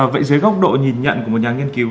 vậy dưới góc độ nhìn nhận của một nhà nghiên cứu